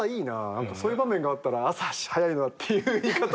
何かそういう場面があったら朝早いのはっていう言い方すれば。